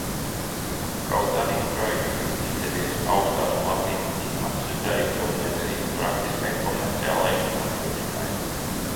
Kaut arī projekts bija izdevies, augstās platīna izmaksas darīja to nederīgu praktiskai komerciālai izmantošanai.